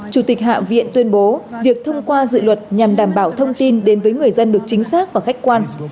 chủ tịch hạ viện tuyên bố việc thông qua dự luật nhằm đảm bảo thông tin đến với người dân được chính xác và khách quan